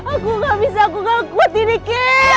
aku gak bisa aku gak kuatin dikit